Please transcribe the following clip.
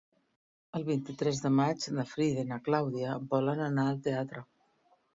El vint-i-tres de maig na Frida i na Clàudia volen anar al teatre.